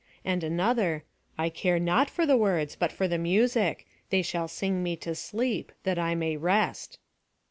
And another, "I care not for the words, but for the music. They shall sing me to sleep, that I may rest."